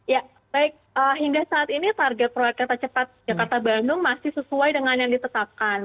ya baik hingga saat ini target proyek kereta cepat jakarta bandung masih sesuai dengan yang ditetapkan